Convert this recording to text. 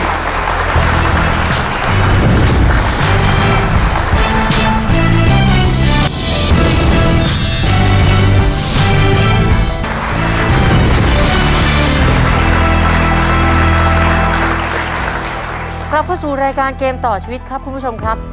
กลับเข้าสู่รายการเกมต่อชีวิตครับคุณผู้ชมครับ